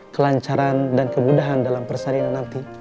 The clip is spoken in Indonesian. kelancaran dan kemudahan dalam persalinan nanti